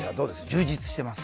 充実してます。